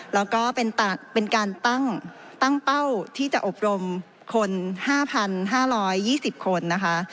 แล้วก็เป็นต่างเป็นการตั้งตั้งเป้าที่จะอบรมคนห้าพันห้าร้อยยี่สิบคนนะคะ